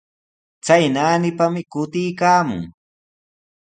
Chay naanipami kutiykaamun.